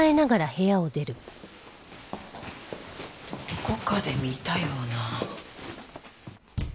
どこかで見たような。